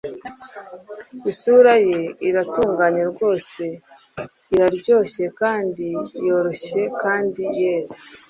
isura ye, iratunganye rwose, araryoshye kandi yoroshye kandi yera